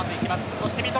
そして三笘。